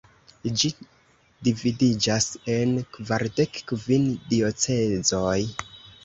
Ĝi dividiĝas en kvardek kvin diocezoj.